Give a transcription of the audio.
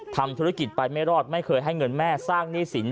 ทำธุรกิจไปไม่รอดไม่เคยให้เงินแม่สร้างหนี้สิน